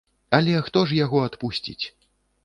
Але хто ж яго адпусціць?